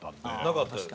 なかったです。